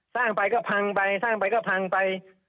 สร้างไปก็พังไปสร้างไปก็พังไป